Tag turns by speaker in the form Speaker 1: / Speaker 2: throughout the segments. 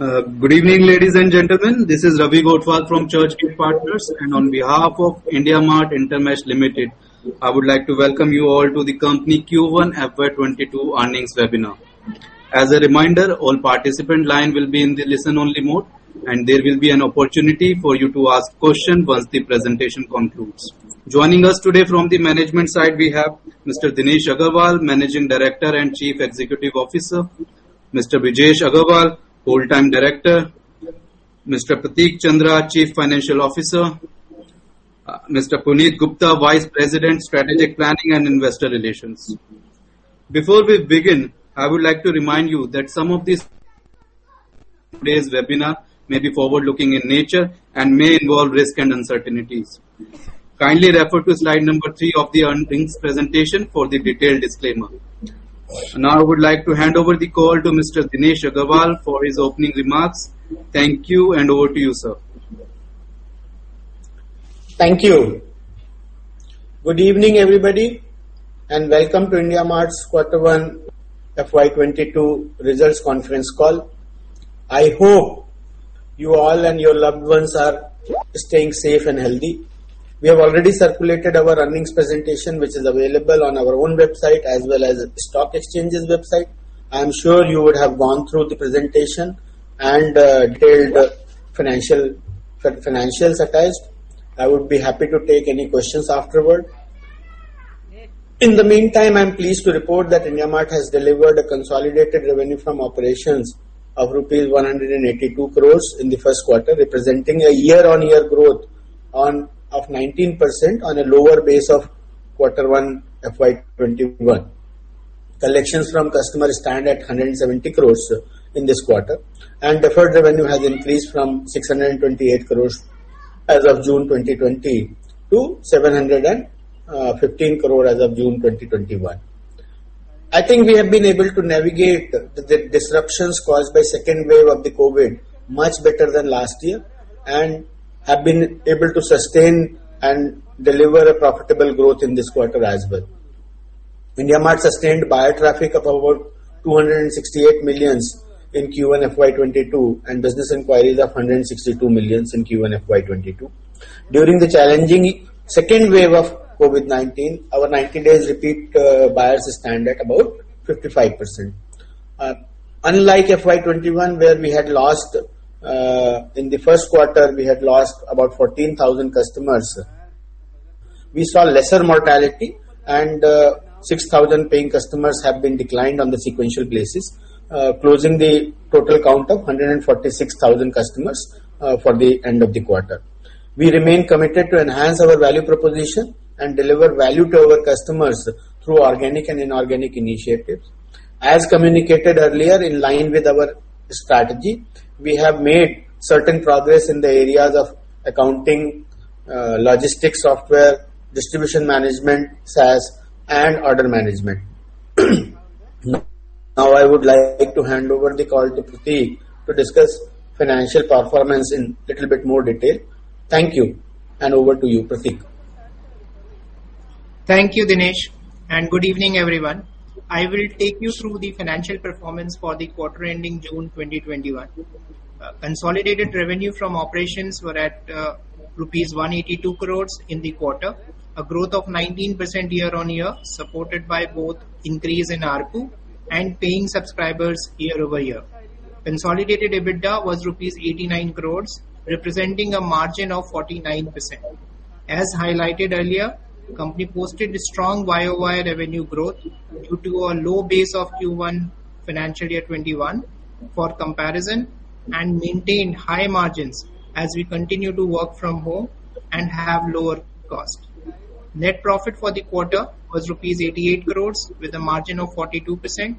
Speaker 1: Good evening, ladies and gentlemen. This is Ravi Gothwal from Churchgate Partners, and on behalf of IndiaMART InterMESH Limited, I would like to welcome you all to the company Q1 FY 2022 earnings webinar. As a reminder, all participant line will be in the listen only mode, and there will be an opportunity for you to ask question once the presentation concludes. Joining us today from the management side, we have Mr. Dinesh Agarwal, Managing Director and Chief Executive Officer. Mr. Brijesh Agarwal, Whole-Time Director. Mr. Prateek Chandra, Chief Financial Officer. Mr. Puneet Gupta, Vice President, Strategic Planning and Investor Relations. Before we begin, I would like to remind you that some of this today's webinar may be forward-looking in nature and may involve risk and uncertainties. Kindly refer to slide number three of the earnings presentation for the detailed disclaimer. Now I would like to hand over the call to Mr. Dinesh Agarwal for his opening remarks. Thank you, and over to you, sir.
Speaker 2: Thank you. Good evening, everybody, and welcome to IndiaMART's Quarter One FY 2022 results conference call. I hope you all and your loved ones are staying safe and healthy. We have already circulated our earnings presentation, which is available on our own website as well as at the stock exchange's website. I am sure you would have gone through the presentation and detailed the financials advised. I would be happy to take any questions afterward. In the meantime, I'm pleased to report that IndiaMART has delivered a consolidated revenue from operations of rupees 182 crores in the first quarter, representing a year-on-year growth of 19% on a lower base of Quarter One FY 2021. Collections from customers stand at 170 crores in this quarter, and deferred revenue has increased from 628 crores as of June 2020 to 715 crore as of June 2021. I think we have been able to navigate the disruptions caused by second wave of the COVID much better than last year, and have been able to sustain and deliver a profitable growth in this quarter as well. IndiaMART sustained buyer traffic of over 268 million in Q1 FY 2022, and business inquiries of 162 million in Q1 FY 2022. During the challenging second wave of COVID-19, our 90-day repeat buyers stand at about 55%. Unlike FY 2021, where in the 1st quarter we had lost about 14,000 customers, we saw lesser mortality and 6,000 paying customers have been declined on the sequential basis, closing the total count of 146,000 customers for the end of the quarter. We remain committed to enhance our value proposition and deliver value to our customers through organic and inorganic initiatives. As communicated earlier, in line with our strategy, we have made certain progress in the areas of accounting, logistics software, distribution management, SaaS, and order management. Now, I would like to hand over the call to Prateek to discuss financial performance in little bit more detail. Thank you. Over to you, Prateek.
Speaker 3: Thank you, Dinesh. Good evening, everyone. I will take you through the financial performance for the quarter ending June 2021. Consolidated revenue from operations were at rupees 182 crores in the quarter, a growth of 19% year-on-year, supported by both increase in ARPU and paying subscribers year-over-year. Consolidated EBITDA was 89 crores rupees, representing a margin of 49%. As highlighted earlier, company posted a strong Y-o-Y revenue growth due to a low base of Q1 FY21 for comparison, maintained high margins as we continue to work from home and have lower cost. Net profit for the quarter was rupees 88 crores with a margin of 42%.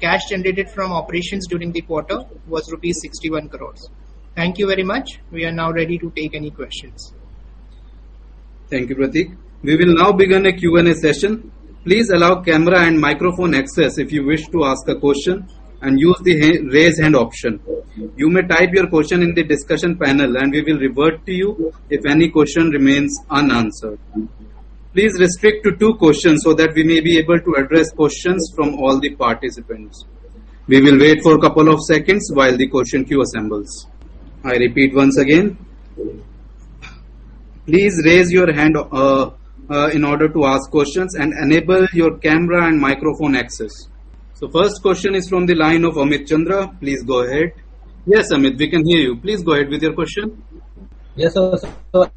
Speaker 3: Cash generated from operations during the quarter was rupees 61 crores. Thank you very much. We are now ready to take any questions.
Speaker 1: Thank you, Prateek. We will now begin a Q&A session. Please allow camera and microphone access if you wish to ask a question, and use the raise hand option. You may type your question in the discussion panel, and we will revert to you if any question remains unanswered. Please restrict to 2 questions so that we may be able to address questions from all the participants. We will wait for a couple of seconds while the question queue assembles. I repeat once again. Please raise your hand in order to ask questions and enable your camera and microphone access. First question is from the line of Amit Chandra. Please go ahead. Yes, Amit, we can hear you. Please go ahead with your question.
Speaker 4: Thanks for the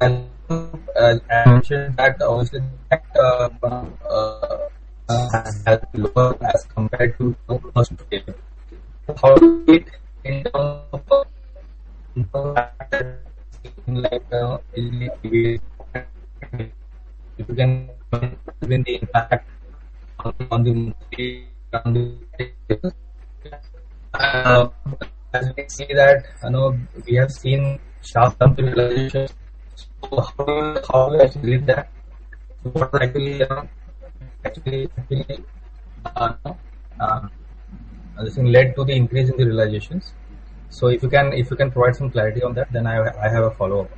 Speaker 4: opportunity. As you mentioned that obviously, the impact has been lower as compared to the first wave, how do you see it in terms of the impact that we have seen in the various pockets, and what has been the impact on the monthly and the yearly package users? As compared to as we see that, we have seen sharp realization, how do we rate that? If you can provide clarity on that, then I have a follow-up.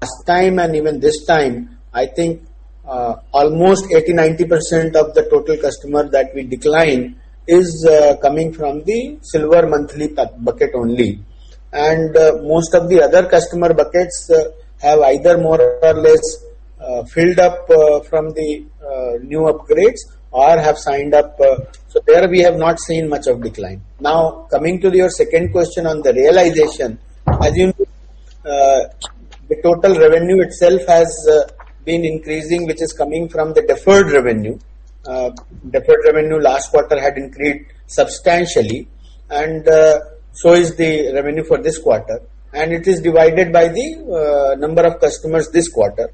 Speaker 2: Last time and even this time, I think almost 80%, 90% of the total customer that we decline is coming from the silver monthly bucket only. Most of the other customer buckets have either more or less filled up from the new upgrades or have signed up. There we have not seen much of decline. Coming to your second question on the realization. I think the total revenue itself has been increasing, which is coming from the deferred revenue. Deferred revenue last quarter had increased substantially, and so is the revenue for this quarter, and it is divided by the number of customers this quarter.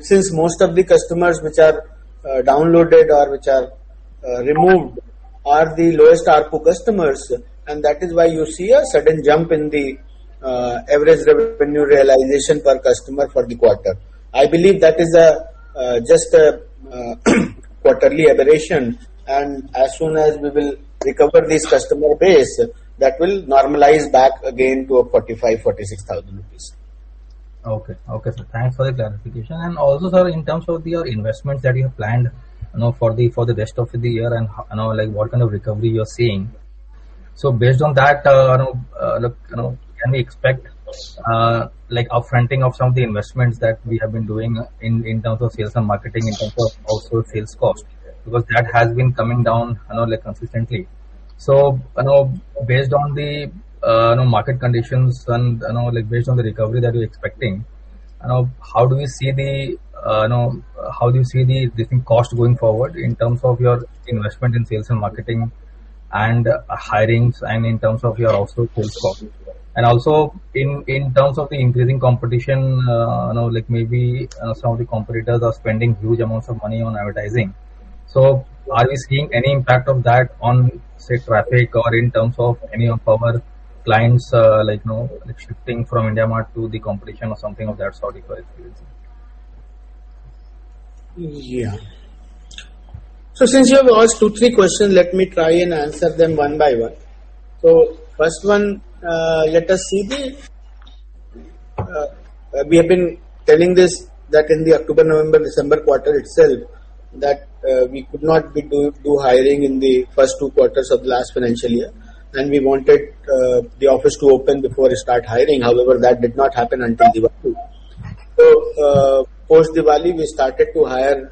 Speaker 2: Since most of the customers which are downgraded or which are removed are the lowest ARPU customers, and that is why you see a sudden jump in the average revenue realization per customer for the quarter. I believe that is just a quarterly aberration, and as soon as we will recover this customer base, that will normalize back again to 45,000, 46,000 rupees.
Speaker 4: Okay. Sir, thanks for the clarification. Also, sir, in terms of your investments that you have planned for the rest of the year and what kind of recovery you're seeing. Based on that, can we expect upfronting of some of the investments that we have been doing in terms of sales and marketing, in terms of also sales cost? Because that has been coming down consistently. Based on the market conditions and based on the recovery that you're expecting, how do you see the different costs going forward in terms of your investment in sales and marketing and hirings and in terms of your also sales cost? Also in terms of the increasing competition, maybe some of the competitors are spending huge amounts of money on advertising. Are we seeing any impact of that on, say, traffic or in terms of any of our clients shifting from IndiaMART to the competition or something of that sort?
Speaker 2: Since you have asked two, three questions, let me try and answer them one by one. So, for the first one, let us see. We have been telling this that in the October, November, December quarter itself, that we could not do hiring in the first two quarters of the last financial year. We wanted the office to open before we start hiring. However, that did not happen until Diwali. Post-Diwali, we started to hire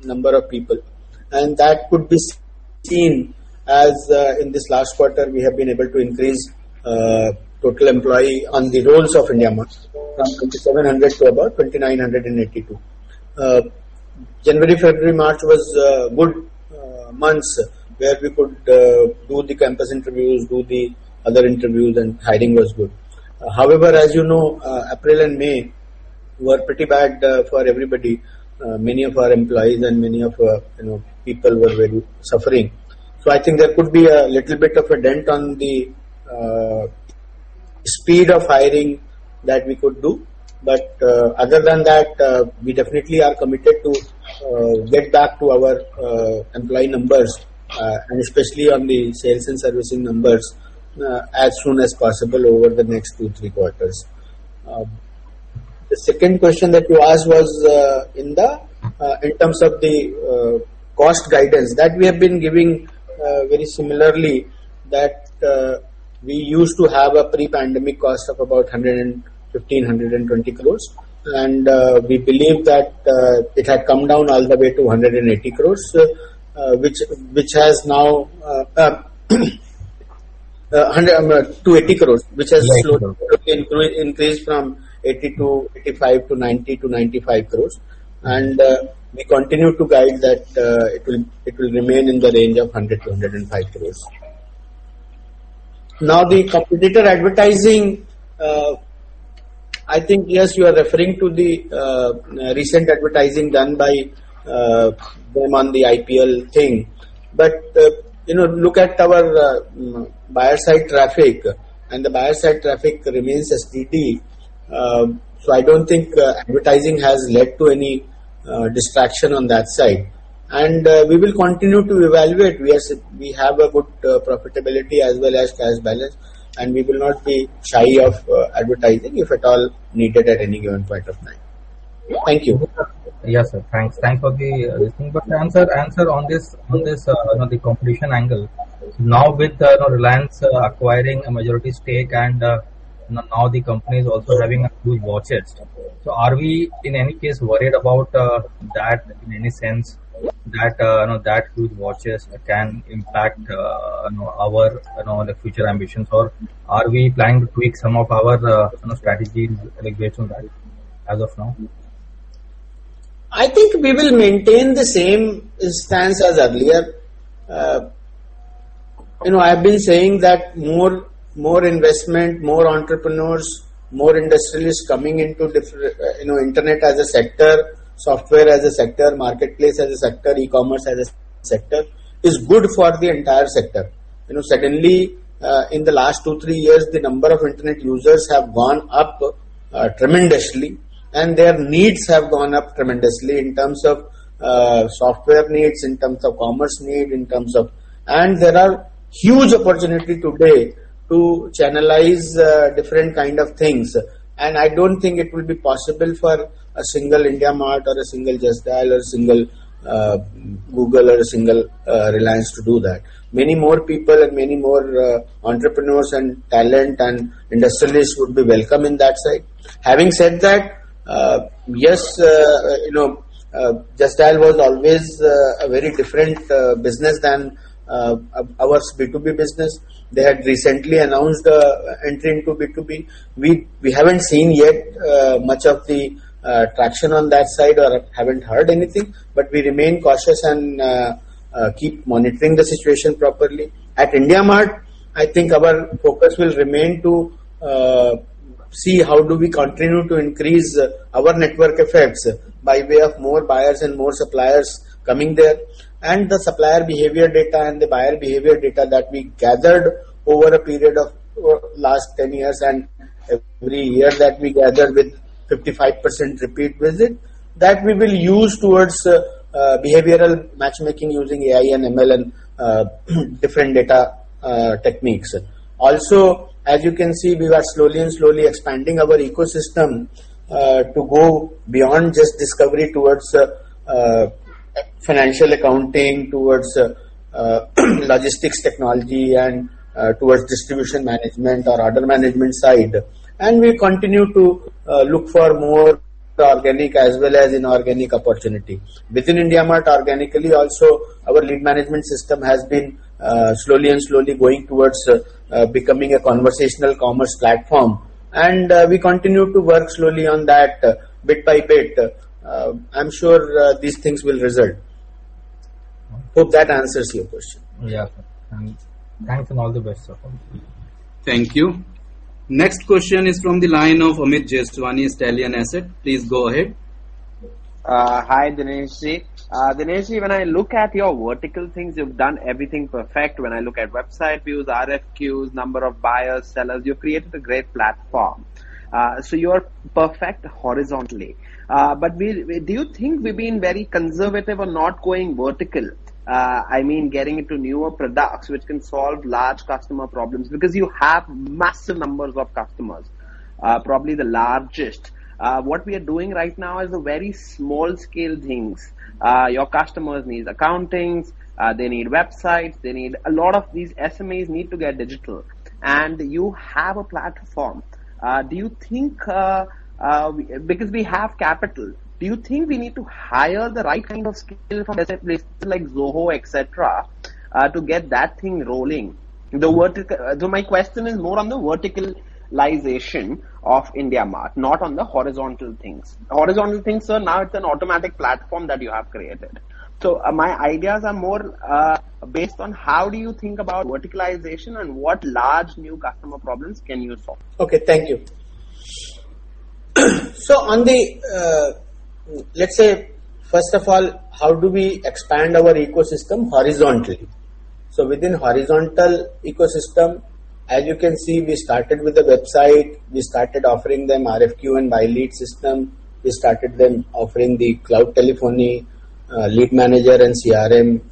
Speaker 2: a number of people, and that could be seen as in this last quarter, we have been able to increase total employee on the rolls of IndiaMART from 2,700 to about 2,982. January, February, March was good months where we could do the campus interviews, do the other interviews, and hiring was good. However, as you know, April and May were pretty bad for everybody. Many of our employees and many of our people were really suffering. I think there could be a little bit of a dent on the speed of hiring that we could do. Other than that, we definitely are committed to get back to our employee numbers, and especially on the sales and servicing numbers, as soon as possible over the next two, three quarters. The second question that you asked was in terms of the cost guidance. That we have been giving very similarly, that we used to have a pre-pandemic cost of about 115 crores, INR 120 crores. We believe that it had come down all the way to INR 80 crores, which has now increased from 80-85 to 90 crores-95 crores. We continue to guide that it will remain in the range of 100 crores-105 crores. The competitor advertising, I think, yes, you are referring to the recent advertising done by them on the IPL thing. Look at our buyer-side traffic, and the buyer-side traffic remains steady. I don't think advertising has led to any distraction on that side. We will continue to evaluate. We have a good profitability as well as cash balance, and we will not be shy of advertising if at all needed at any given point of time. Thank you.
Speaker 4: Yes, sir. Thanks for the answer. Sir, answer on the competition angle. Now with Reliance acquiring a majority stake and now the company is also having huge war chests. Are we, in any case, worried about that in any sense that huge war chests can impact our future ambitions? Are we planning to tweak some of our strategies based on that as of now?
Speaker 2: I think we will maintain the same stance as earlier. I've been saying that more investment, more entrepreneurs, more industrialists coming into different internet as a sector, software as a sector, marketplace as a sector, e-commerce as a sector, is good for the entire sector. Suddenly, in the last two, three years, the number of internet users have gone up tremendously, and their needs have gone up tremendously in terms of software needs, in terms of commerce need. There are huge opportunity today to channelize different kind of things, and I don't think it will be possible for a single IndiaMART or a single JustDial or a single Google or a single Reliance to do that. Many more people and many more entrepreneurs and talent and industrialists would be welcome in that side. Having said that, yes, JustDial was always a very different business than our B2B business. They had recently announced entry into B2B. We haven't seen yet much of the traction on that side or haven't heard anything, but we remain cautious and keep monitoring the situation properly. At IndiaMART, I think our focus will remain to see how do we continue to increase our network effects by way of more buyers and more suppliers coming there, and the supplier behavior data and the buyer behavior data that we gathered over a period of last 10 years, and every year that we gather with 55% repeat visit, that we will use towards behavioral matchmaking using AI and ML and different data techniques. As you can see, we are slowly expanding our ecosystem to go beyond just discovery towards financial accounting, towards logistics technology, and towards distribution management or order management side. We continue to look for more organic as well as inorganic opportunities. Within IndiaMART, organically also, our lead management system has been slowly going towards becoming a conversational commerce platform. We continue to work slowly on that bit by bit. I'm sure these things will result. Hope that answers your question.
Speaker 4: Yeah. Thanks and all the best, sir.
Speaker 1: Thank you. Next question is from the line of Amit Jeswani, Stallion Asset. Please go ahead.
Speaker 5: Hi, Dineshi. Dinesh, when I look at your vertical things, you've done everything perfect. When I look at website views, RFQs, number of buyers, sellers, you've created a great platform. You are perfect horizontally. Do you think we've been very conservative on not going vertical? I mean, getting into newer products which can solve large customer problems, because you have massive numbers of customers, probably the largest. What we are doing right now is very small scale things. Your customers need accountings, they need websites, a lot of these SMEs need to get digital. You have a platform. Because we have capital, do you think we need to hire the right kind of skill from places like Zoho, et cetera, to get that thing rolling? My question is more on the verticalization of IndiaMART, not on the horizontal things. Horizontal things, sir, now it's an automatic platform that you have created. My ideas are more based on how do you think about verticalization and what large new customer problems can you solve?
Speaker 2: Okay. Thank you. Let's say, first of all, how do we expand our ecosystem horizontally? Within horizontal ecosystem, as you can see, we started with a website. We started offering them RFQ and buy lead system. We started them offering the cloud telephony, lead manager, and CRM.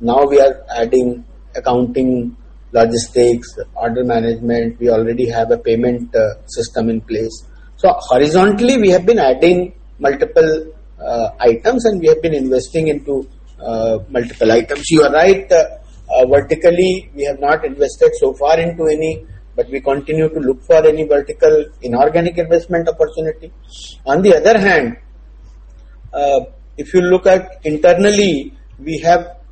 Speaker 2: Now we are adding accounting, logistics, order management. We already have a payment system in place. Horizontally, we have been adding multiple items, and we have been investing into multiple items. You are right, vertically, we have not invested so far into any, but we continue to look for any vertical inorganic investment opportunity. On the other hand, if you look at internally,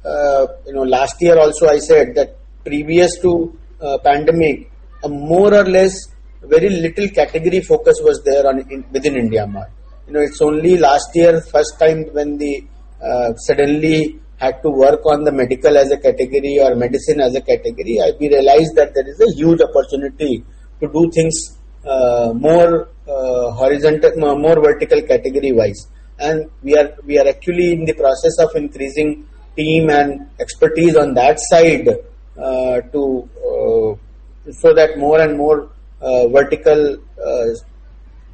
Speaker 2: last year also I said that previous to pandemic, more or less, very little category focus was there within IndiaMART. It's only last year, first time when we suddenly had to work on the medical as a category or medicine as a category, we realized that there is a huge opportunity to do things more vertical category-wise. We are actually in the process of increasing team and expertise on that side so that more and more vertical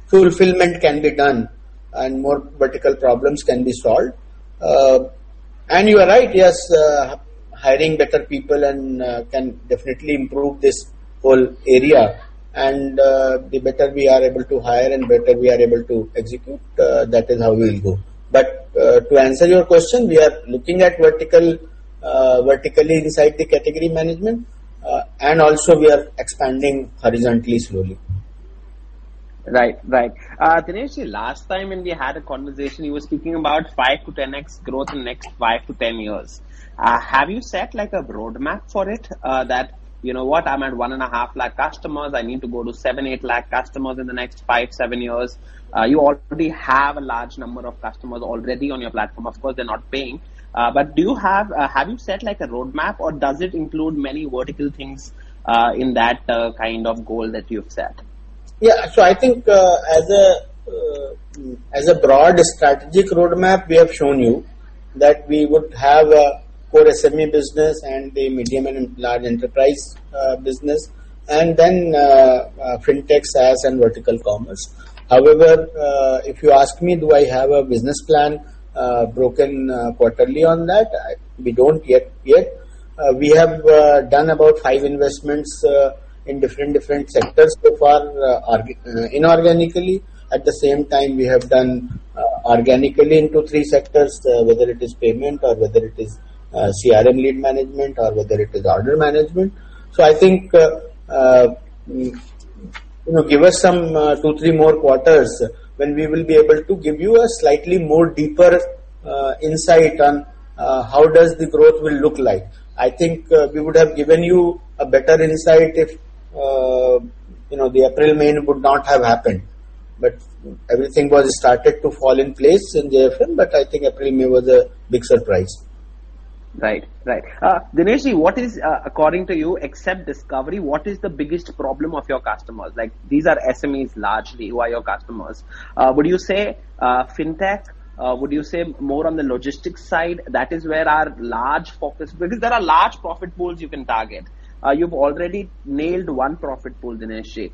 Speaker 2: fulfillment can be done and more vertical problems can be solved. You are right, yes, hiring better people can definitely improve this whole area, and the better we are able to hire and better we are able to execute, that is how we will go. To answer your question, we are looking at vertically inside the category management, and also we are expanding horizontally slowly.
Speaker 5: Right. Dinesh, last time when we had a conversation, you were speaking about 5x-10x growth in next five to 10 years. Have you set a roadmap for it? That, you know what, I'm at one and a half lakh customers, I need to go to seven to eight lakh customers in the next five to seven years. You already have a large number of customers already on your platform. Of course, they're not paying. Have you set a roadmap or does it include many vertical things in that kind of goal that you've set?
Speaker 2: Yeah. I think as a broad strategic roadmap, we have shown you that we would have a core SME business and a medium and large enterprise business, and then Fintech, SaaS, and vertical commerce. However, if you ask me, do I have a business plan broken quarterly on that? We don't yet. We have done about five investments in different sectors so far inorganically. At the same time, we have done organically into three sectors, whether it is payment or whether it is CRM lead management, or whether it is order management. I think, give us some two, three more quarters when we will be able to give you a slightly more deeper insight on how does the growth will look like. I think we would have given you a better insight if the April, May would not have happened. Everything was started to fall in place in the FY, but I think April, May was a big surprise.
Speaker 5: Right. Dinesh, according to you, except discovery, what is the biggest problem of your customers? These are SMEs largely who are your customers. Would you say Fintech? Would you say more on the logistics side? That is where our large focus. There are large profit pools you can target. You've already nailed one profit pool, Dinesh Ji.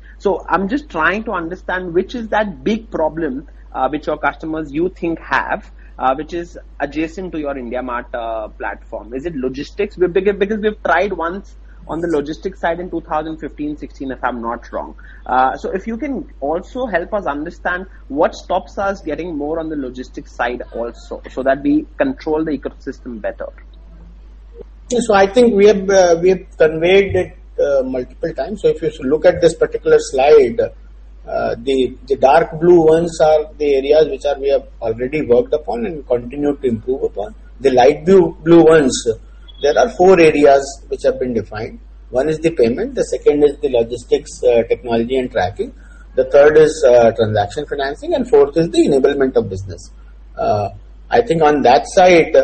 Speaker 5: I'm just trying to understand which is that big problem which your customers you think have, which is adjacent to your IndiaMART platform. Is it logistics? We've tried once on the logistics side in 2015, 2016, if I'm not wrong. If you can also help us understand what stops us getting more on the logistics side also, so that we control the ecosystem better.
Speaker 2: I think we've conveyed it multiple times. If you look at this particular slide, the dark blue ones are the areas which we have already worked upon and continue to improve upon. The light blue ones, there are four areas which have been defined. One is the payment, the second is the logistics technology and tracking, the 3rd is transaction financing, and 4th is the enablement of business. I think on that side,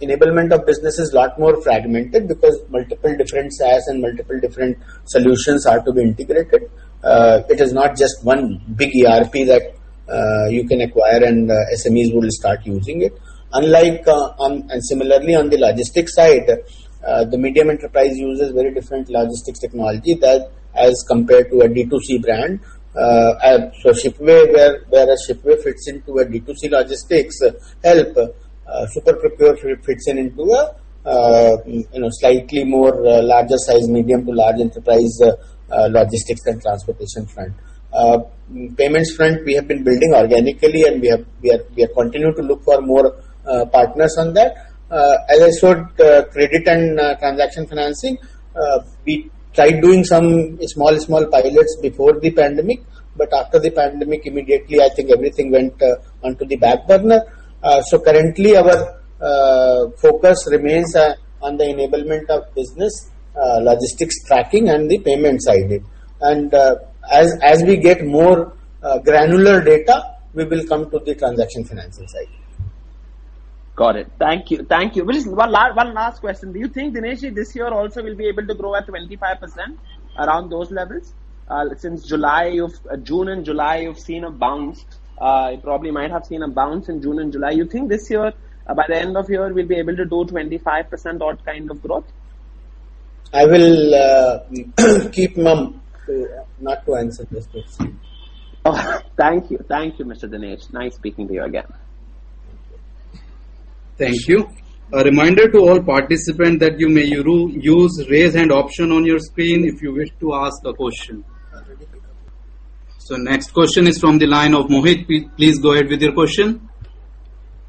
Speaker 2: enablement of business is a lot more fragmented because multiple different SaaS and multiple different solutions are to be integrated. It is not just one big ERP that you can acquire, and SMEs will start using it. Similarly, on the logistics side, the medium enterprise uses very different logistics technology as compared to a D2C brand. Whereas Shipway fits into a D2C logistics help, SuperProcure fits into a slightly more larger size, medium to large enterprise, logistics and transportation front. Payments front, we have been building organically, and we have continued to look for more partners on that. As I showed credit and transaction financing, we tried doing some small pilots before the pandemic, but after the pandemic, immediately, I think everything went onto the back burner. Currently, our focus remains on the enablement of business, logistics tracking, and the payment side of it. As we get more granular data, we will come to the transaction financing side.
Speaker 5: Got it. Thank you. One last question. Do you think, Dinesh, this year also we'll be able to grow at 25% around those levels? June and July, you've seen a bounce. You probably might have seen a bounce in June and July. You think this year, by the end of the year, we'll be able to do 25% odd kind of growth?
Speaker 2: I will keep mum, not to answer this question.
Speaker 5: Thank you. Thank you, Mr. Dinesh. Nice speaking to you again.
Speaker 1: Thank you. A reminder to all participants that you may use raise hand option on your screen if you wish to ask a question. Next question is from the line of Mohit. Please go ahead with your question.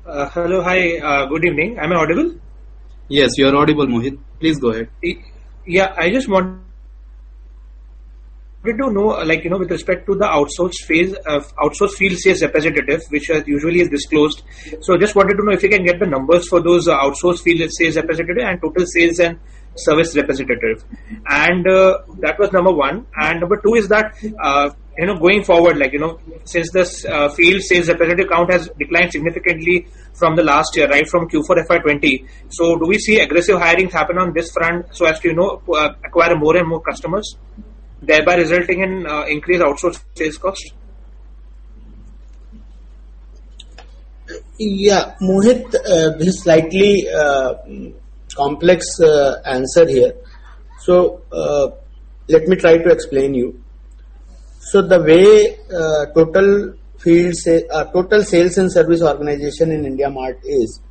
Speaker 6: Hello. Hi, good evening. Am I audible?
Speaker 1: Yes, you are audible, Mohit. Please go ahead.
Speaker 6: I just want to know, with respect to the outsource sales representative, which usually is disclosed. Just wanted to know if you can get the numbers for those outsource field sales representative, and total sales and service representative. That was number one. Number two is that, going forward, since this field sales representative count has declined significantly from the last year, right from Q4 FY 2020, do we see aggressive hirings happen on this front so as to acquire more and more customers, thereby resulting in increased outsource sales cost?
Speaker 2: Yeah. Mohit, this slightly complex answer here. Let me try to explain you. The way total sales and service organization in IndiaMART is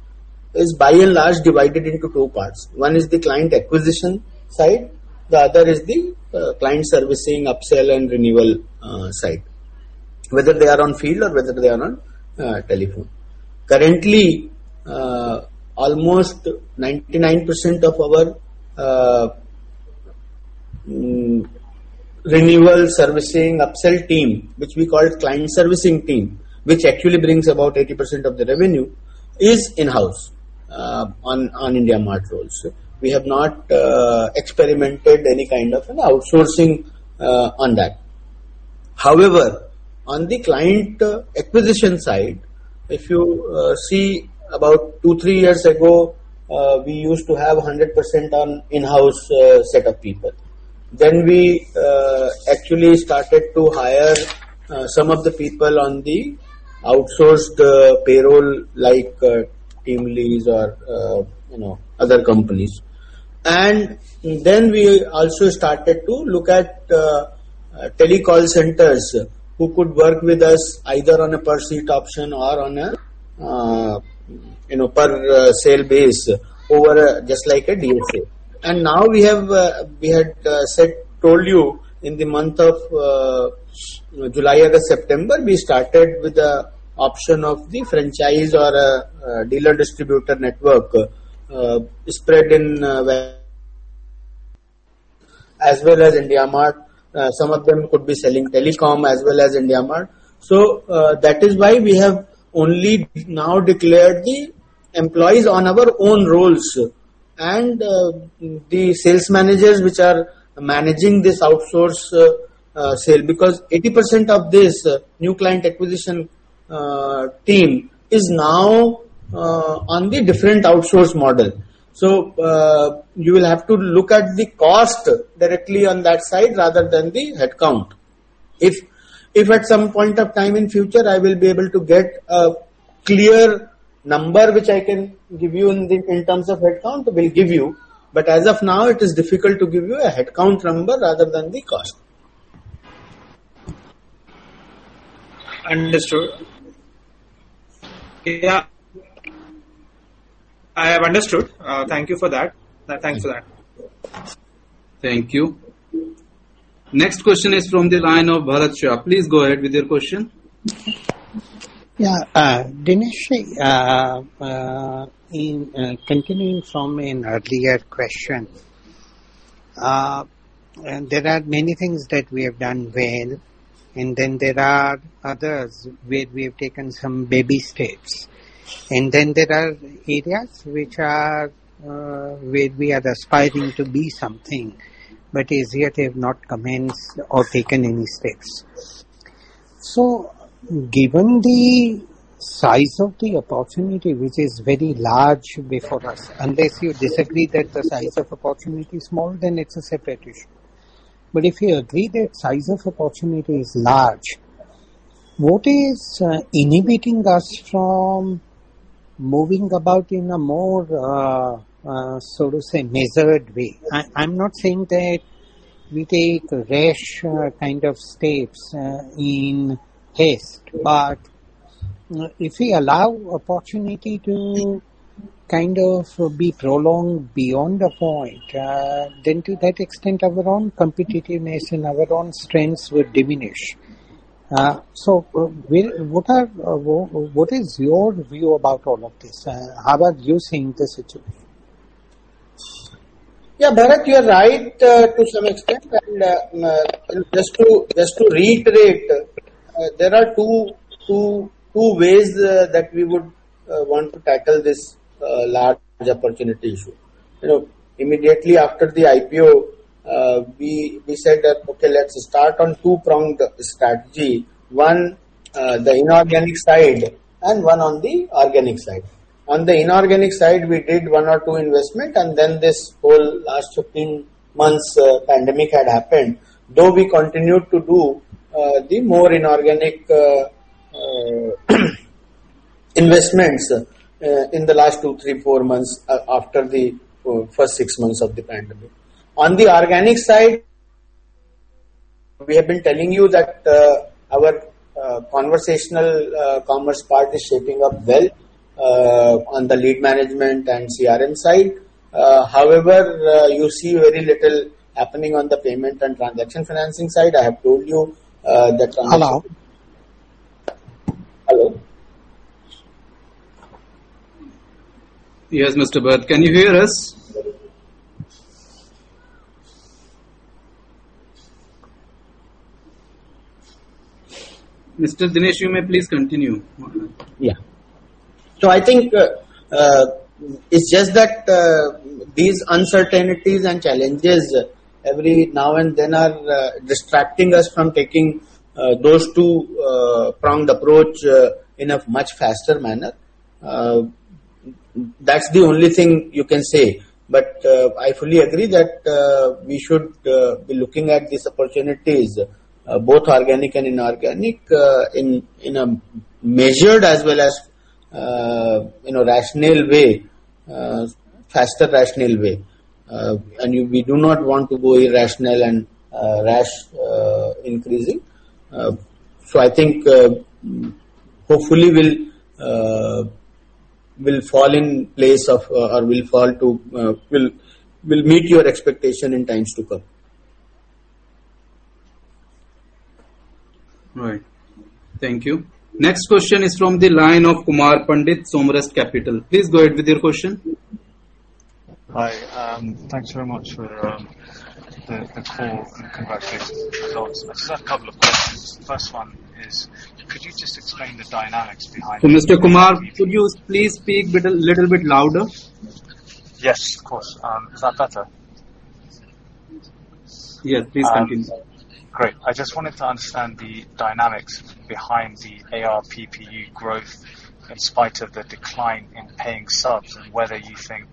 Speaker 2: by and large divided into two parts. One is the client acquisition side, the other is the client servicing, upsell, and renewal side, whether they are on field or whether they are on telephone. Currently, almost 99% of our renewal servicing, upsell team, which we call client servicing team, which actually brings about 80% of the revenue, is in-house on IndiaMART rolls. We have not experimented any kind of outsourcing on that. However, on the client acquisition side, if you see about two to three years ago, we used to have 100% on in-house set of people. We actually started to hire some of the people on the outsourced payroll, like TeamLease or other companies. We also started to look at tele-call centers who could work with us either on a per seat option or on a per sale basis just like a DSA. We had told you in the month of July, August, September, we started with the option of the franchise or a dealer-distributor network spread in as well as IndiaMART. Some of them could be selling telecom as well as IndiaMART. That is why we have only now declared the employees on our own rolls and the sales managers, which are managing this outsourced sales. 80% of this new client acquisition team is now on the different outsourced model. You will have to look at the cost directly on that side rather than the headcount. If at some point of time in future, I will be able to get a clear number, which I can give you in terms of headcount, we'll give you, but as of now, it is difficult to give you a headcount number rather than the cost.
Speaker 6: Understood. Yeah. I have understood. Thank you for that. Thanks for that.
Speaker 1: Thank you. Next question is from the line of Bharat Shah. Please go ahead with your question.
Speaker 7: Yeah. Dinesh, continuing from an earlier question. There are many things that we have done well, and then there are others where we have taken some baby steps, and then there are areas where we are aspiring to be something but as yet have not commenced or taken any steps. Given the size of the opportunity, which is very large before us, unless you disagree that the size of opportunity is small, then it's a separate issue. If you agree that size of opportunity is large, what is inhibiting us from moving about in a more, so to say, measured way? I'm not saying that we take rash kind of steps in haste. If we allow opportunity to kind of be prolonged beyond a point, then to that extent, our own competitiveness and our own strengths will diminish. What is your view about all of this? How are you seeing the situation?
Speaker 2: Bharat, you're right to some extent, and just to reiterate, there are two ways that we would want to tackle this large opportunity issue. Immediately after the IPO, we said that, "Okay, let's start on two-pronged strategy. One, the inorganic side, and one on the organic side." On the inorganic side, we did one or two investment, and then this whole last 15 months pandemic had happened, though we continued to do the more inorganic investments in the last two, three, four months after the first six months of the pandemic. On the organic side, we have been telling you that our conversational commerce part is shaping up well on the lead management and CRM side. You see very little happening on the payment and transaction financing side.
Speaker 7: Hello?
Speaker 2: Hello.
Speaker 1: Yes, Mr. Bharat, can you hear us? Mr. Dinesh, you may please continue.
Speaker 2: Yeah. I think it's just that these uncertainties and challenges every now and then are distracting us from taking those two-pronged approach in a much faster manner. That's the only thing you can say. I fully agree that we should be looking at these opportunities, both organic and inorganic, in a measured as well as rational way, faster rational way. We do not want to go irrational and rash increasing. I think, hopefully, we'll meet your expectation in times to come.
Speaker 1: Right. Thank you. Next question is from the line of Kumar Pandit, Somerset Capital. Please go ahead with your question.
Speaker 8: Hi. Thanks very much for the call, and congratulations a lot. Just a couple of questions. First one is could you just explain the dynamics behind?
Speaker 1: Mr. Kumar, could you please speak little bit louder?
Speaker 8: Yes, of course. Is that better?
Speaker 1: Yeah. Please continue.
Speaker 8: Great. I just wanted to understand the dynamics behind the ARPPU growth in spite of the decline in paying subs, and whether you think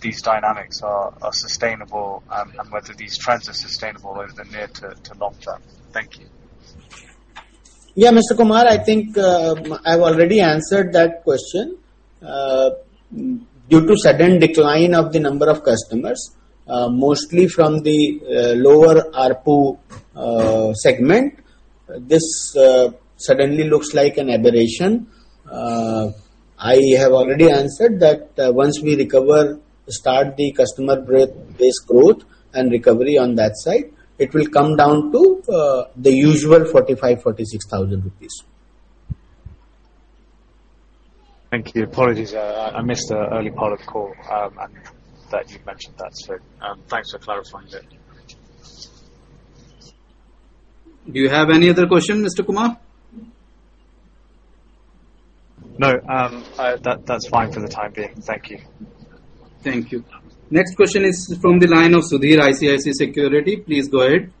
Speaker 8: these dynamics are sustainable, and whether these trends are sustainable over the near to long term. Thank you.
Speaker 2: Yeah, Mr. Kumar, I think I've already answered that question. Due to sudden decline of the number of customers, mostly from the lower ARPU segment, this suddenly looks like an aberration. I have already answered that once we recover, start the customer base growth and recovery on that side, it will come down to the usual 45,000, 46,000 rupees.
Speaker 8: Thank you. Apologies, I missed the early part of the call, and thought you'd mentioned that. Thanks for clarifying that.
Speaker 1: Do you have any other question, Mr. Kumar?
Speaker 8: No, that's fine for the time being. Thank you.
Speaker 1: Thank you. Next question is from the line of Sudhir, ICICI Securities. Please go ahead.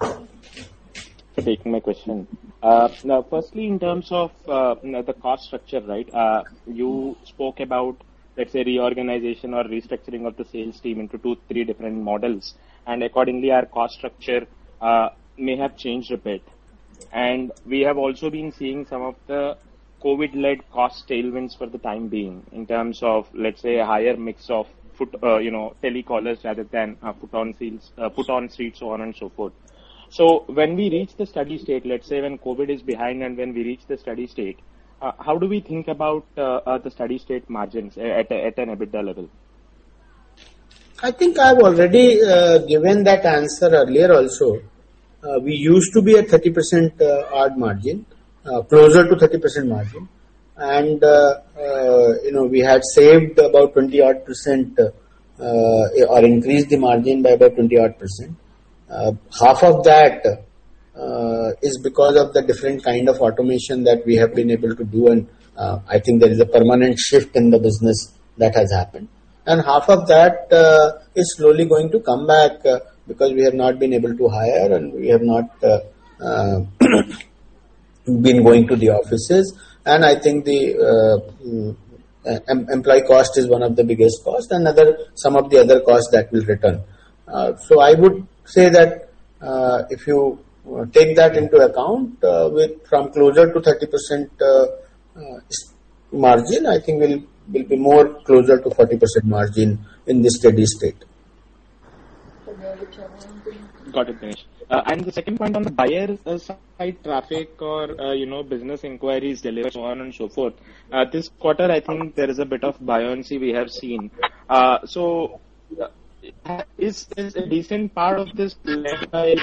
Speaker 9: Thanks for taking my question. Firstly, in terms of the cost structure. You spoke about, let's say, reorganization or restructuring of the sales team into two, three different models, and accordingly, our cost structure may have changed a bit. We have also been seeing some of the COVID-led cost tailwinds for the time being in terms of, let's say, a higher mix of telecallers rather than foot on streets, so on and so forth. When we reach the steady state, let's say when COVID is behind and when we reach the steady state, how do we think about the steady-state margins at an EBITDA level?
Speaker 2: I think I've already given that answer earlier also. We used to be a 30% odd margin, closer to 30% margin. We had saved about 20 odd percent or increased the margin by about 20 odd percent. Half of that is because of the different kind of automation that we have been able to do, and I think there is a permanent shift in the business that has happened. Half of that is slowly going to come back because we have not been able to hire, and we have not been going to the offices. I think the employee cost is one of the biggest costs, and some of the other costs that will return. I would say that if you take that into account from closer to 30% margin, I think we'll be more closer to 40% margin in the steady state.
Speaker 9: Got it, Dinesh. The second point on the buyer side traffic or business inquiries delivered, so on and so forth. This quarter, I think there is a bit of buoyancy we have seen. Is a decent part of this led by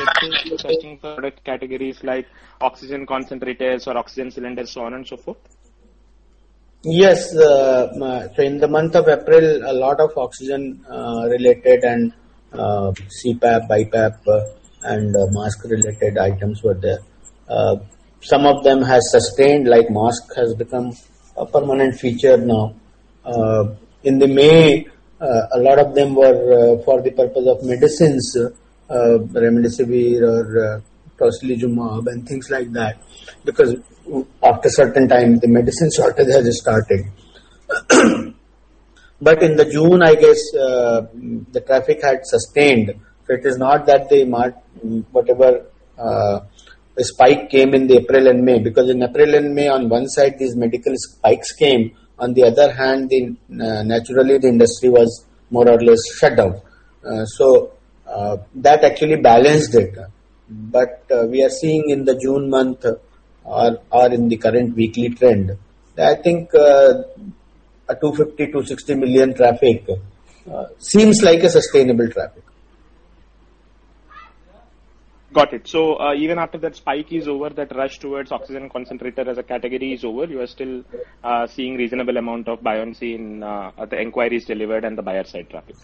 Speaker 9: product categories like oxygen concentrators or oxygen cylinders, so on and so forth?
Speaker 2: Yes. In the month of April, a lot of oxygen-related and CPAP, BiPAP, and mask-related items were there. Some of them have sustained, like mask has become a permanent feature now. In May, a lot of them were for the purpose of medicines, remdesivir or tocilizumab and things like that, because after certain time, the medicine shortage has started. In June, I guess, the traffic had sustained. It is not that IndiaMART, whatever spike came in April and May, because in April and May, on one side, these medical spikes came. On the other hand, naturally, the industry was more or less shut down. That actually balanced it. We are seeing in June month or in the current weekly trend, I think a 250, 260 million traffic seems like a sustainable traffic.
Speaker 9: Got it. Even after that spike is over, that rush towards oxygen concentrator as a category is over, you are still seeing reasonable amount of buoyancy in the inquiries delivered and the buyer-side traffic?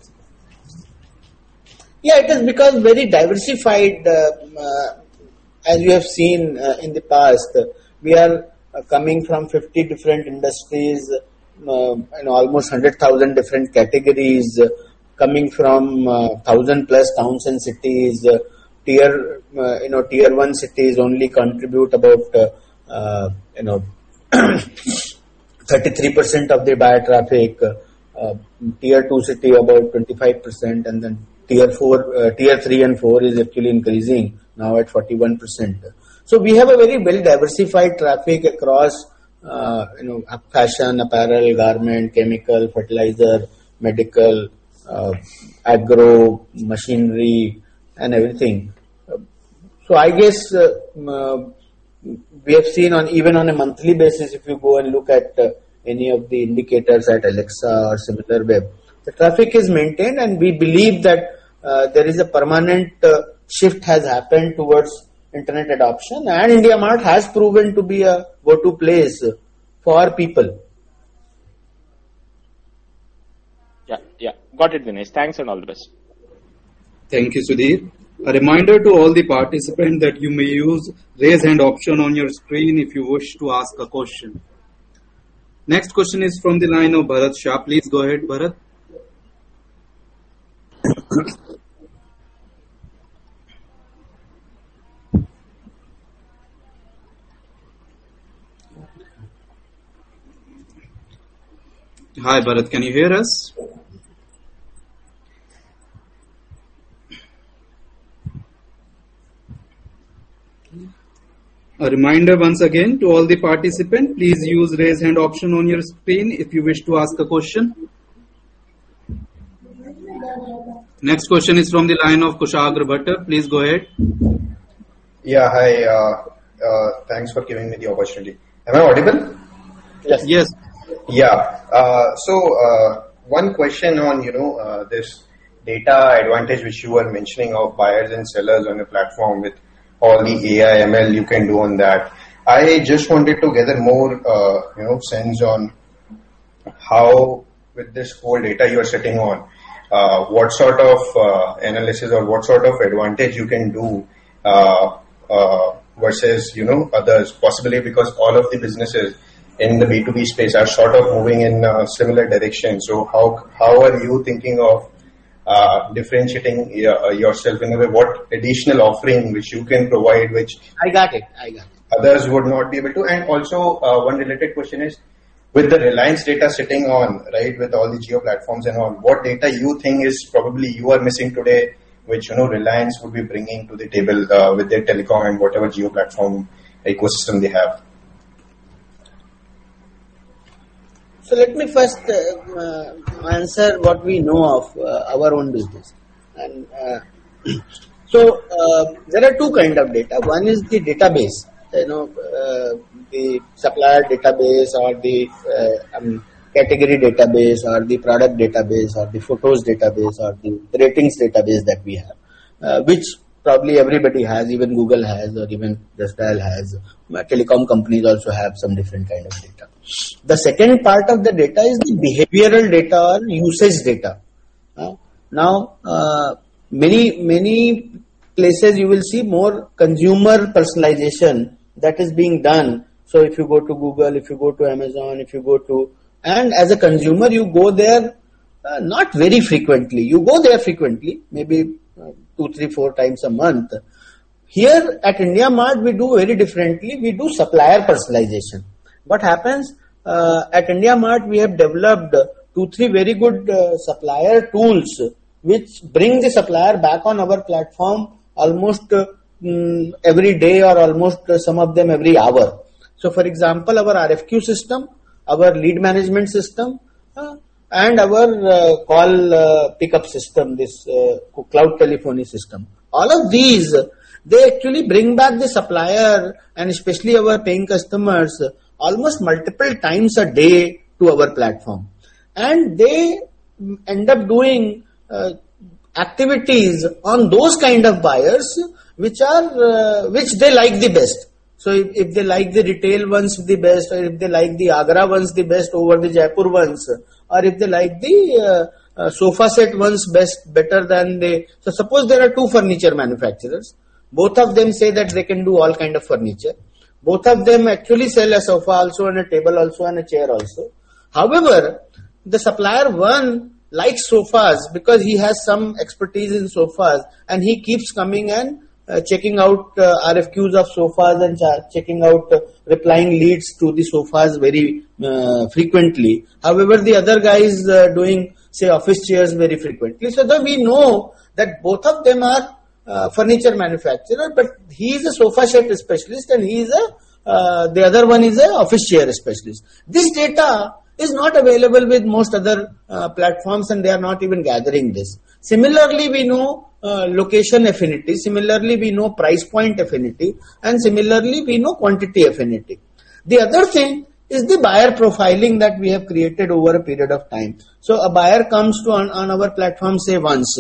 Speaker 2: Yeah, it has become very diversified. As we have seen in the past, we are coming from 50 different industries and almost 100,000 different categories, coming from 1,000 plus towns and cities. Tier 1 cities only contribute about 33% of the buyer traffic, tier 2 city about 25%, and then tier 3 and 4 is actually increasing now at 41%. We have a very well-diversified traffic across fashion, apparel, garment, chemical, fertilizer, medical, agro, machinery, and everything. I guess we have seen even on a monthly basis, if you go and look at any of the indicators at Alexa or Similarweb, the traffic is maintained, and we believe that there is a permanent shift has happened towards internet adoption, and IndiaMART has proven to be a go-to place for our people.
Speaker 9: Yeah. Got it, Dinesh. Thanks and all the best.
Speaker 1: Thank you, Sudhir. A reminder to all the participants that you may use raise hand option on your screen if you wish to ask a question. Next question is from the line of Bharat Shah. Please go ahead, Bharat. Hi, Bharat, can you hear us? A reminder once again to all the participants, please use raise hand option on your screen if you wish to ask a question. Next question is from the line of Kushagra Bhattar. Please go ahead.
Speaker 10: Yeah. Hi. Thanks for giving me the opportunity. Am I audible?
Speaker 1: Yes.
Speaker 10: Yeah. One question on this data advantage, which you were mentioning of buyers and sellers on a platform with all the AI, ML you can do on that. I just wanted to gather more sense on how with this whole data you are sitting on, what sort of analysis or what sort of advantage you can do versus others, possibly because all of the businesses in the B2B space are sort of moving in a similar direction. How are you thinking of differentiating yourself in a way, what additional offering which you can provide?
Speaker 2: I got it. I got it.
Speaker 10: others would not be able to. Also, 1 related question is, with the Reliance data sitting on, with all the Jio platforms and all, what data you think is probably you are missing today, which Reliance would be bringing to the table, with their telecom and whatever Jio platform ecosystem they have?
Speaker 2: Let me first answer what we know of our own business. There are two kind of data. One is the database. The supplier database or the category database or the product database or the photos database or the ratings database that we have, which probably everybody has, even Google has, or even JustDial has. Telecom companies also have some different kind of data. The second part of the data is the behavioral data or usage data. Now, many places you will see more consumer personalization that is being done. If you go to Google, if you go to Amazon, as a consumer, you go there not very frequently. You go there frequently, maybe two, three, four times a month. Here at IndiaMART, we do very differently. We do supplier personalization. What happens, at IndiaMART, we have developed two, three very good supplier tools, which bring the supplier back on our platform almost every day or almost some of them every hour. For example, our RFQ system, our lead management system, and our call pickup system, this cloud telephony system. All of these, they actually bring back the supplier and especially our paying customers, almost multiple times a day to our platform. They end up doing activities on those kind of buyers, which they like the best. If they like the retail ones the best, or if they like the Agra ones the best over the Jaipur ones, or if they like the sofa set ones best, suppose there are two furniture manufacturers. Both of them say that they can do all kind of furniture. Both of them actually sell a sofa also and a table also and a chair also. The supplier one likes sofas because he has some expertise in sofas, and he keeps coming and checking out RFQs of sofas and checking out replying leads to the sofas very frequently. The other guy is doing, say, office chairs very frequently. Though we know that both of them are furniture manufacturer, but he is a sofa set specialist and the other one is a office chair specialist. This data is not available with most other platforms, and they are not even gathering this. Similarly, we know location affinity, similarly, we know price point affinity, and similarly, we know quantity affinity. The other thing is the buyer profiling that we have created over a period of time. A buyer comes to on our platform, say, once,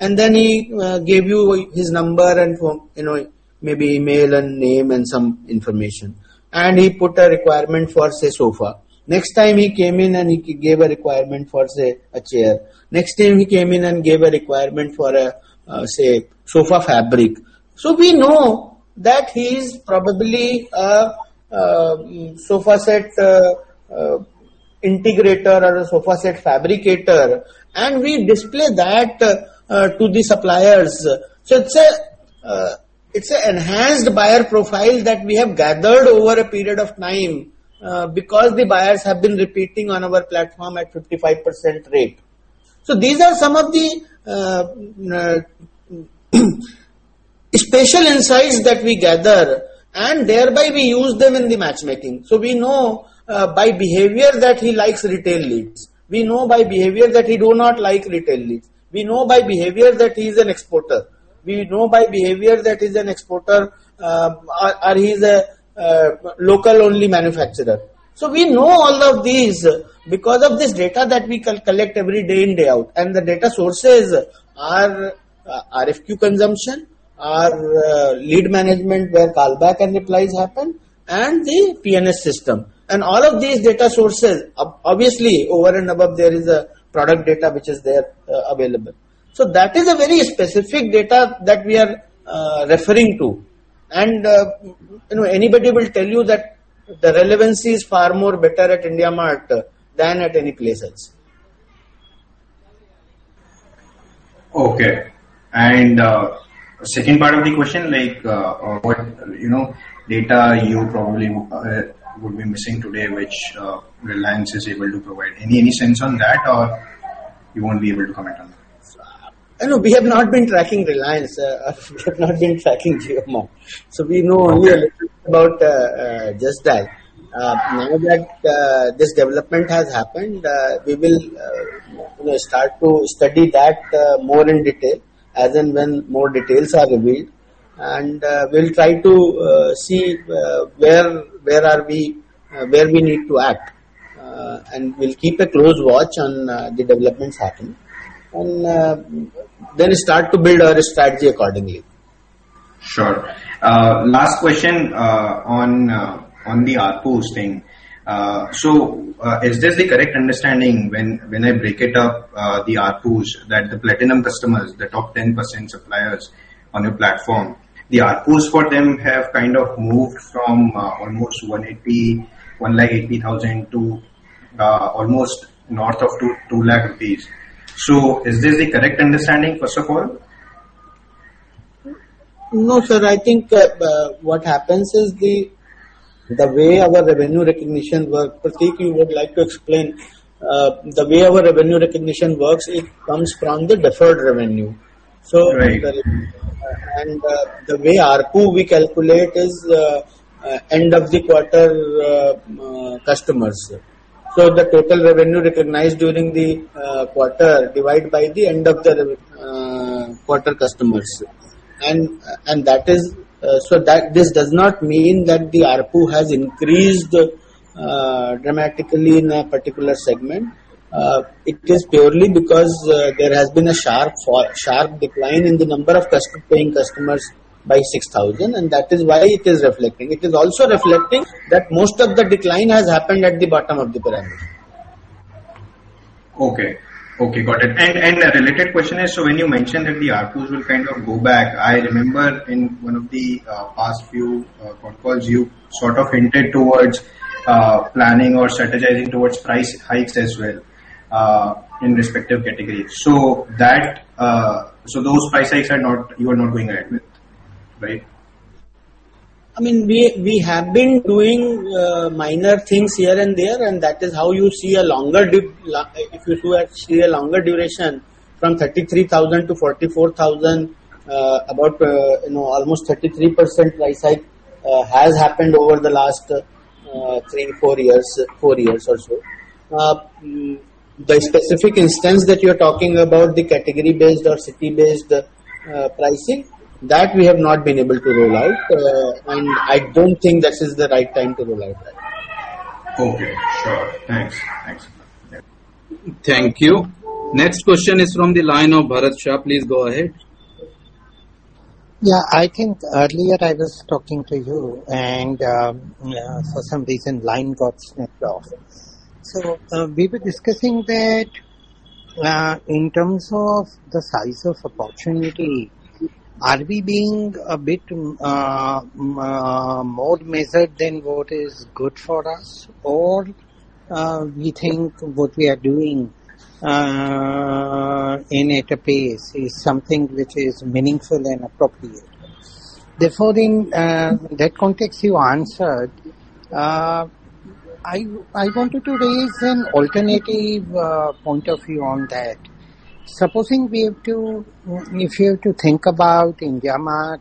Speaker 2: and then he gave you his number, and maybe email and name and some information. He put a requirement for, say, sofa. Next time he came in and he gave a requirement for, say, a chair. Next time he came in and gave a requirement for a, say, sofa fabric. We know that he is probably a sofa set integrator or a sofa set fabricator, and we display that to the suppliers. It's an enhanced buyer profile that we have gathered over a period of time, because the buyers have been repeating on our platform at 55% rate. These are some of the special insights that we gather, and thereby we use them in the matchmaking. We know by behavior that he likes retail leads. We know by behavior that he do not like retail leads. We know by behavior that he's an exporter. We know by behavior that he's an exporter or he's a local-only manufacturer. We know all of these because of this data that we collect every day in, day out, and the data sources are RFQ consumption, are lead management where callback and replies happen, and the PNS system. All of these data sources, obviously, over and above there is a product data which is there available. That is a very specific data that we are referring to. Anybody will tell you that the relevancy is far more better at IndiaMART than at any place else.
Speaker 10: Okay. Second part of the question, what data you probably would be missing today, which Reliance is able to provide? Any sense on that, or you won't be able to comment on that?
Speaker 2: No. We have not been tracking Reliance. We have not been tracking JioMart. We know only a little about just that. Now that this development has happened, we will start to study that more in detail as and when more details are revealed. We'll try to see where we need to act. We'll keep a close watch on the developments happening, and then start to build our strategy accordingly.
Speaker 10: Sure. Last question on the ARPU thing. Is this the correct understanding, when I break it up, the ARPUs, that the platinum customers, the top 10% suppliers on your platform, the ARPUs for them have kind of moved from almost 1,80,000 to almost north of 2,00,000 rupees. Is this the correct understanding, first of all?
Speaker 2: No, sir. I think what happens is the way our revenue recognition work, Prateek, you would like to explain, the way our revenue recognition works, it comes from the deferred revenue.
Speaker 10: Right.
Speaker 2: The way ARPU we calculate is end of the quarter customers. The total revenue recognized during the quarter divide by the end of the quarter customers. This does not mean that the ARPU has increased dramatically in a particular segment. It is purely because there has been a sharp decline in the number of paying customers by 6,000, and that is why it is reflecting. It is also reflecting that most of the decline has happened at the bottom of the pyramid.
Speaker 10: Okay. Got it. A related question is, when you mentioned that the ARPUs will kind of go back, I remember in one of the past few con calls, you sort of hinted towards planning or strategizing towards price hikes as well in respective categories. Those price hikes you are not going ahead with, right?
Speaker 2: We have been doing minor things here and there. That is how you see a longer dip. If you see a longer duration from 33,000 to 44,000, about almost 33% price hike has happened over the last three, four years or so. The specific instance that you're talking about, the category-based or city-based pricing, that we have not been able to roll out. I don't think this is the right time to roll out that.
Speaker 10: Okay. Sure. Thanks.
Speaker 1: Thank you. Next question is from the line of Bharat Shah. Please go ahead.
Speaker 7: Yeah. I think earlier I was talking to you and for some reason line got snipped off. We were discussing that in terms of the size of opportunity, are we being a bit more measured than what is good for us? We think what we are doing at a pace is something which is meaningful and appropriate. In that context you answered, I wanted to raise an alternative point of view on that. Supposing if you have to think about IndiaMART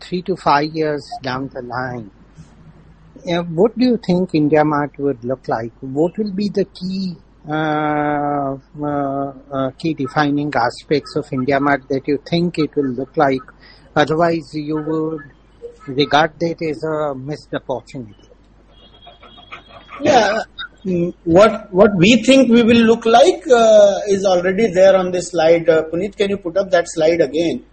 Speaker 7: three to five years down the line, what do you think IndiaMART would look like? What will be the key defining aspects of IndiaMART that you think it will look like, otherwise you would regard that as a missed opportunity?
Speaker 2: What we think we will look like is already there on this slide. Puneet, can you put up that slide again?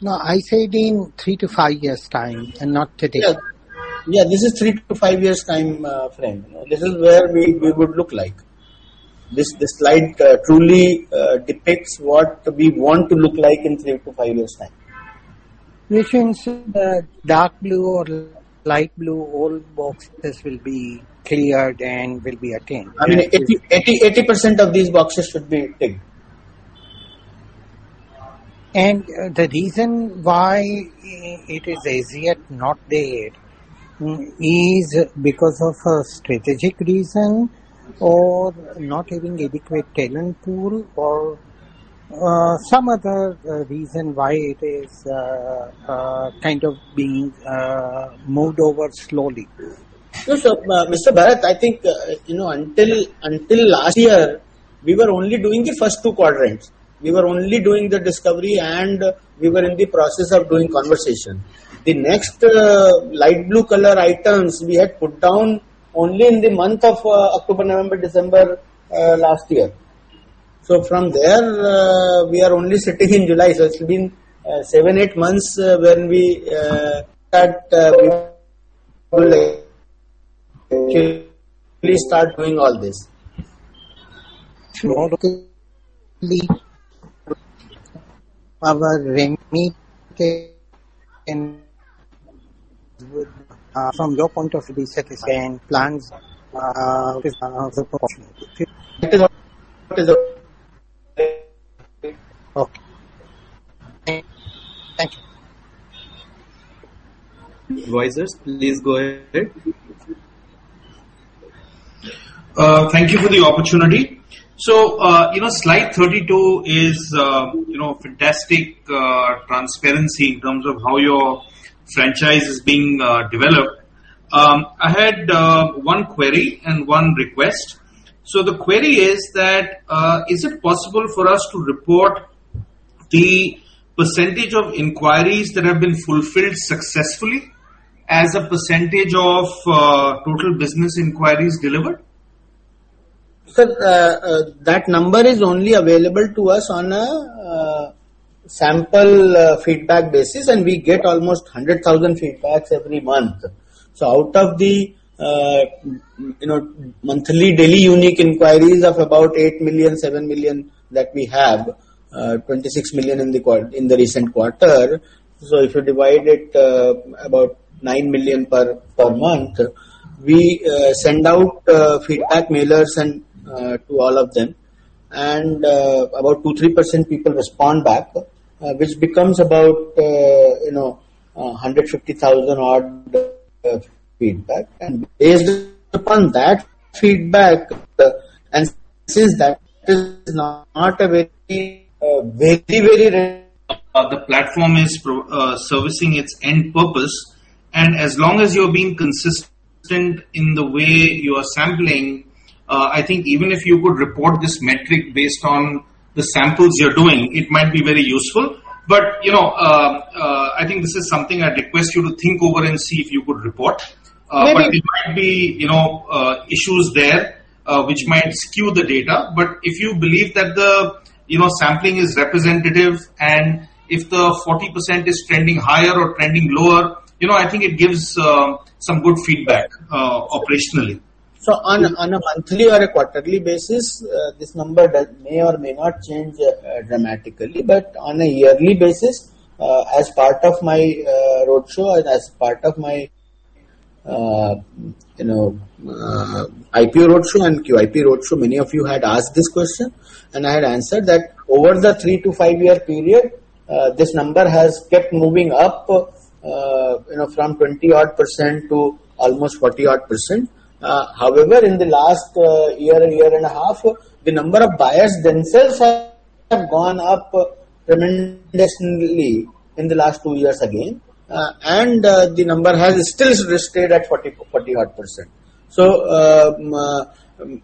Speaker 7: No, I said in three to five years' time, and not today.
Speaker 2: Yeah. This is three to five years time frame. This is where we would look like. This slide truly depicts what we want to look like in three to five years' time.
Speaker 7: We can see the dark blue or light blue, all boxes will be cleared and will be attained.
Speaker 2: 80% of these boxes should be ticked.
Speaker 7: The reason why it is as yet not there is because of a strategic reason, or not having adequate talent pool, or some other reason why it is kind of being moved over slowly?
Speaker 2: No, Mr. Bharat, I think until last year, we were only doing the first two quadrants. We were only doing the discovery, and we were in the process of doing conversation. The next light blue color items we had put down only in the month of October, November, December last year. From there, we are only sitting in July. It's been seven, eight months when we start doing all this. From your point of view, satisfaction plans, proportionally.
Speaker 7: Okay. Thank you.
Speaker 1: Please go ahead.
Speaker 11: Thank you for the opportunity. Slide 32 is fantastic transparency in terms of how your franchise is being developed. I had one query and one request. The query is that, is it possible for us to report the percentage of inquiries that have been fulfilled successfully as a percentage of total business inquiries delivered?
Speaker 2: Sir, that number is only available to us on a sample feedback basis, and we get almost 100,000 feedbacks every month. Out of the monthly, daily unique inquiries of about 8 million, 7 million that we have, 26 million in the recent quarter. If you divide it, about 9 million per month. We send out feedback mailers to all of them, and about 2%-3% people respond back, which becomes about 150,000 odd feedback. Based upon that feedback, and since that is not a very
Speaker 11: The platform is servicing its end purpose. As long as you're being consistent in the way you are sampling, I think even if you could report this metric based on the samples you're doing, it might be very useful. I think this is something I'd request you to think over and see if you could report.
Speaker 2: Maybe-
Speaker 11: There might be issues there which might skew the data. If you believe that the sampling is representative, and if the 40% is trending higher or trending lower, I think it gives some good feedback operationally.
Speaker 2: On a monthly or a quarterly basis, this number may or may not change dramatically, but on a yearly basis, as part of my roadshow and as part of my IPO roadshow and QIP roadshow, many of you had asked this question, and I had answered that over the three to five-year period, this number has kept moving up from 20% odd to almost 40% odd. In the last year, and year and a half the number of buyers themselves have gone up tremendously in the last two years again, the number has still stayed at 40% odd.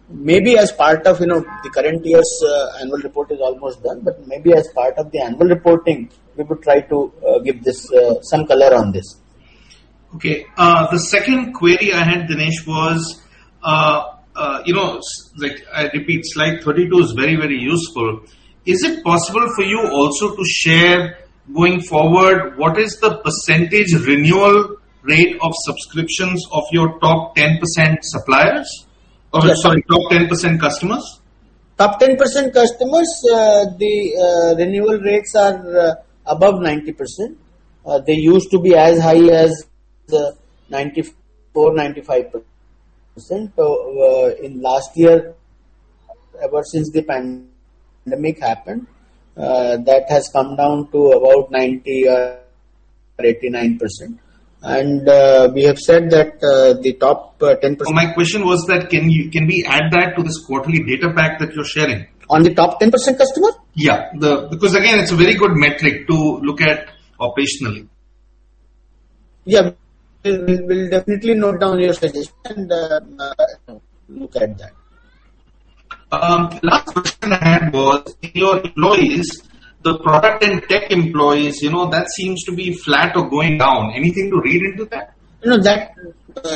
Speaker 2: Maybe as part of the current year's annual report is almost done, but maybe as part of the annual reporting, we could try to give some color on this.
Speaker 11: Okay. The second query I had, Dinesh, was, I repeat, slide 32 is very useful. Is it possible for you also to share, going forward, what is the percentage renewal rate of subscriptions of your top 10% suppliers? Or sorry, top 10% customers.
Speaker 2: Top 10% customers, the renewal rates are above 90%. They used to be as high as 94%, 95%. In last year, ever since the pandemic happened, that has come down to about 90% or 89%. We have said that the top 10%-
Speaker 11: My question was that, can we add that to this quarterly data pack that you're sharing?
Speaker 2: On the top 10% customer?
Speaker 11: Yeah. Again, it's a very good metric to look at operationally.
Speaker 2: Yeah. We'll definitely note down your suggestion and look at that.
Speaker 11: Last question I had was, in your employees, the product and tech employees, that seems to be flat or going down. Anything to read into that?
Speaker 2: That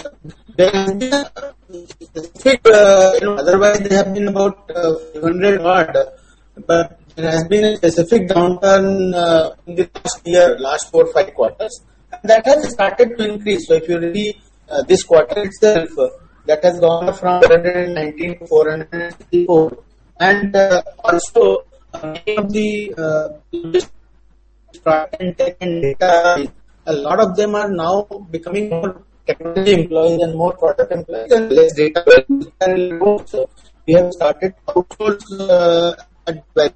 Speaker 2: otherwise they have been about 100 odd, there has been a specific downturn in the past year, last four, five quarters, and that has started to increase. If you read this quarter itself, that has gone from 419 to 464. Also, many of the product and tech and data, a lot of them are now becoming more technology employees and more product employees and less data. We have started places.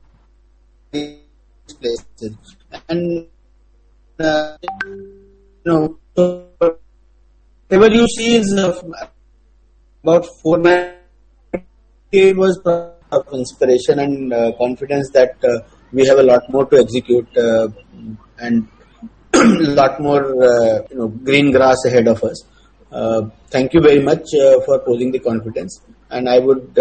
Speaker 2: Whatever you see is about 498. It was inspiration and confidence that we have a lot more to execute, and a lot more green grass ahead of us. Thank you very much for posing the confidence. I would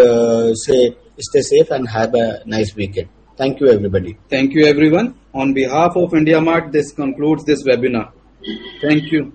Speaker 2: say stay safe and have a nice weekend. Thank you, everybody.
Speaker 1: Thank you, everyone. On behalf of IndiaMART, this concludes this webinar. Thank you.